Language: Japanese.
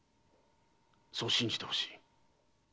そう信じてほしい。